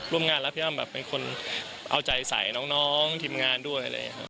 ร่วมงานแล้วพี่อ้อมแบบเป็นคนเอาใจใส่น้องทีมงานด้วย